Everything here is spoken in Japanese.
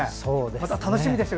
また、楽しみでしょ。